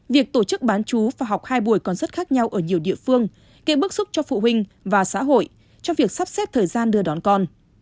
việc tổ chức bán chú và học hai buổi còn rất khác nhau ở nhiều địa phương gây bức xúc cho phụ huynh và xã hội trong việc sắp xếp thời gian đưa đón con